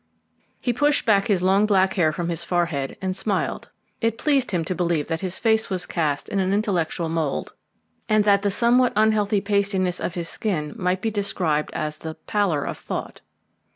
He pushed back his long black hair from his forehead and smiled. It pleased him to believe that his face was cast in an intellectual mould, and that the somewhat unhealthy pastiness of his skin might be described as the "pallor of thought."